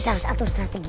kita harus atur strategi